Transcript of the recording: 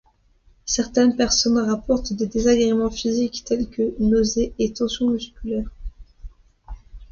Certaines personnes rapportent des désagréments physiques tels que nausées et tensions musculaires.